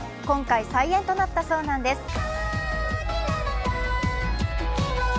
今回、再演となったそうなんです。